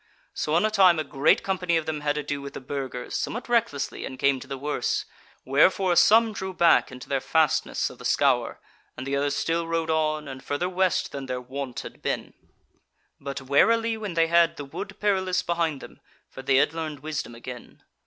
So on a time a great company of them had ado with the Burgers somewhat recklessly and came to the worse; wherefore some drew back into their fastness of the Scaur and the others still rode on, and further west than their wont had been; but warily when they had the Wood Perilous behind them, for they had learned wisdom again.